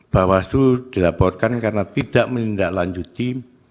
bawaslu dilaporkan karena tidak menindaklanjuti